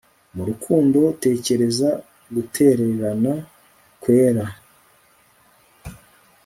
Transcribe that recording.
mu rukundo tekereza gutererana kwera